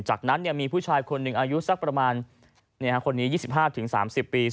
หากนั้นเนี่ยมีผู้ชายคนหนึ่งอายุสักประมาณเนี่ยคนนี้ยี่สิบห้าถึงสามสิบปี